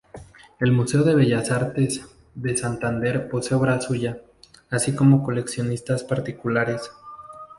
El Museo de Bellas Artes de Santander posee obra suya, así como coleccionistas particulares.